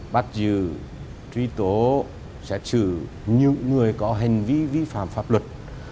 bắt giữ truy tố xét xử những người có hành vi vi phạm pháp luật